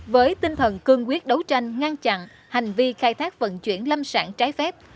với tinh thần cương quyết đấu tranh ngăn chặn hành vi khai thác vận chuyển lâm sản trái phép